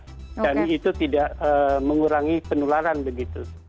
dan itu tidak mengurangi penularan begitu